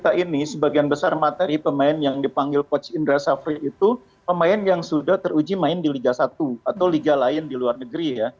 kita ini sebagian besar materi pemain yang dipanggil coach indra safri itu pemain yang sudah teruji main di liga satu atau liga lain di luar negeri ya